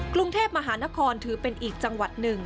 กรุงเทพมหานครถือเป็นอีกจังหวัดหนึ่ง